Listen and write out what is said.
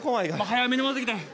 早めに戻ってきて。